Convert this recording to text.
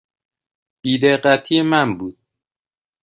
بی دقتی من بود.